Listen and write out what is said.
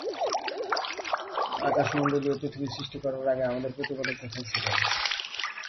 আকাশমণ্ডলী ও পৃথিবী সৃষ্টি করার আগে আমাদের প্রতিপালক কোথায় ছিলেন?